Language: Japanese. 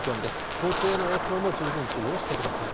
交通への影響も十分注意をしてください。